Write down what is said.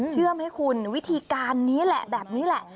เชื่อไหมคุณวิธีการนี้แหละแบบนี้แหละ